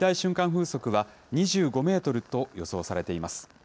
風速は２５メートルと予想されています。